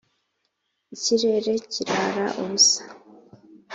ikirere kirara ubusa